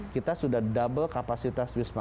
kita sudah double kapasitas wisma a tiga